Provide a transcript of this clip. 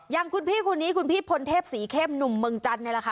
อย่างคุณพี่คนนี้คุณพี่พลเทพศรีเข้มหนุ่มเมืองจันทร์นี่แหละค่ะ